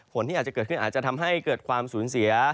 ที่อาจจะเกิดขึ้นอาจจะทำให้เกิดความสูญเสีย